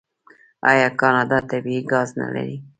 آیا کاناډا طبیعي ګاز نلري؟